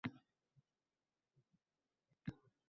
Shunday qilib, “Yoqtirib qolmoq” bilan “Ko’ngil bermoq”